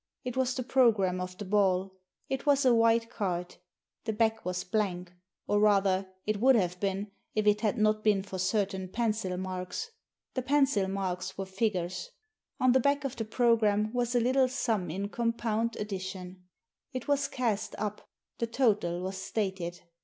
It was the programme of the ball. It was a white card. The back was blank, or, rather, it would have been if it had not been for certain pencil marks. The pencil marks were figures. On the back of the programme was a little sum in compound addition. It was cast up. The total was stated.